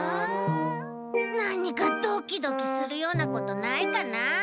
なにかドキドキするようなことないかな。